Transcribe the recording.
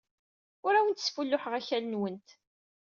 Ur awent-sfulluḥeɣ akal-nwent.